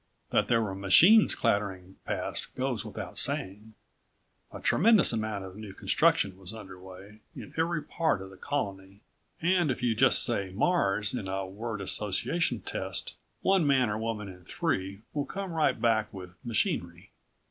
That there were machines clattering past goes without saying. A tremendous amount of new construction was under way in every part of the Colony and if you just say "Mars" in a word association test one man or woman in three will come right back with "Machinery."